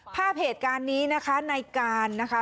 ภาพเหตุการณ์นี้นะคะในการนะคะ